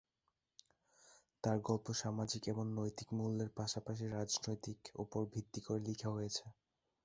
তার গল্প সামাজিক এবং নৈতিক মূল্যের পাশাপাশি রাজনৈতিক উপর ভিত্তি করে লিখা হয়েছে।